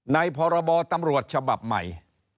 พรบตำรวจฉบับใหม่